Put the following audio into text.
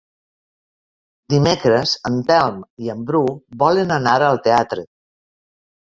Dimecres en Telm i en Bru volen anar al teatre.